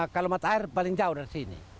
kalau mata air paling jauh dari sini